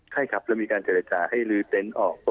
ใช่ค่ะมีการเจรจาให้ลื้อเตนต์ออก